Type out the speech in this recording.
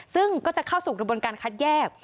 ซึ่งก็จะเข้าสู่กระบวนการคัดแยก